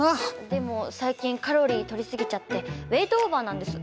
でも最近カロリーとり過ぎちゃってウエイトオーバーなんです。